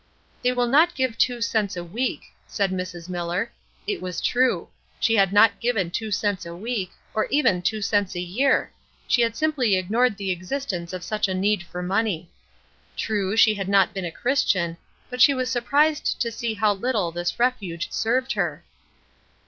"They will not give two cents a week," said Mrs. Miller. It was true: she had not given "two cents a week," or even two cents a year she had simply ignored the existence of such a need for money. True, she had not been a Christian; but she was surprised to see how little this refuge served her.